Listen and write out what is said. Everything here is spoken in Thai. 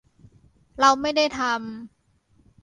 เราไม่ได้ทำ